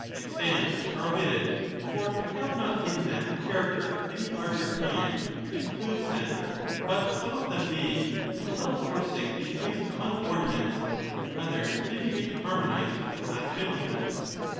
491 and stamps, are omitted, for they have not in them the statesman, character of any larger kind which includes them ; but some strahgef, of them may, with a little forcing, be placed among orna ^^'J^^.^es. ments, and others may be made to harmonize with the class of implements.